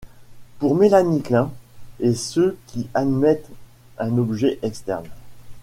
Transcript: Pour Melanie Klein, et ceux qui admettent un objet externe.